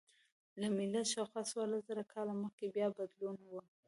له میلاده شاوخوا څوارلس زره کاله مخکې بیا بدلون و